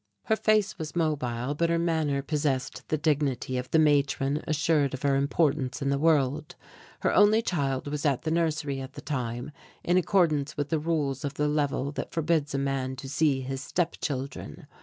Her face was mobile but her manner possessed the dignity of the matron assured of her importance in the world. Her only child was at the nursery at the time, in accordance with the rules of the level that forbids a man to see his step children.